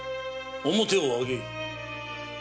面を上げい。